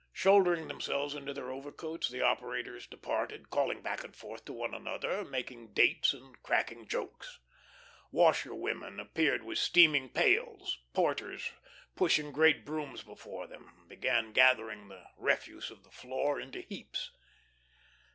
Shouldering themselves into their overcoats, the operators departed, calling back and forth to one another, making "dates," and cracking jokes. Washerwomen appeared with steaming pails, porters pushing great brooms before them began gathering the refuse of the floor into heaps.